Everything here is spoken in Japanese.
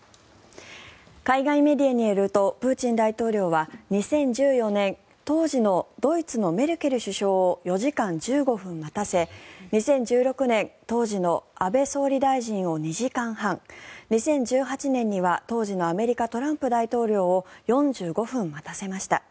海外メディアによるとプーチン大統領は２０１４年当時のドイツのメルケル首相を４時間１５分待たせ２０１６年当時の安倍総理大臣を２時間半２０１８年には当時のアメリカトランプ大統領を４５分待たせました。